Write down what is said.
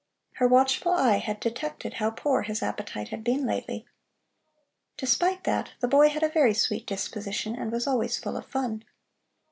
Her watchful eye had detected how poor his appetite had been lately. Despite that, the boy had a very sweet disposition and was always full of fun.